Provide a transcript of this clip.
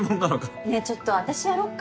ねえちょっと私やろっか？